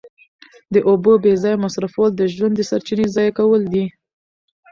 د اوبو بې ځایه مصرفول د ژوند د سرچینې ضایع کول دي.